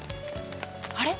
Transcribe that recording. あれ？